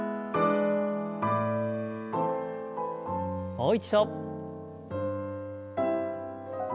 もう一度。